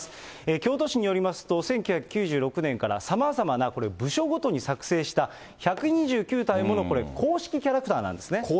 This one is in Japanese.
京都市によりますと、１９９６年からさまざまなこれ、部署ごとに作成した１２９体ものこれ、公式キャラクターなんですね。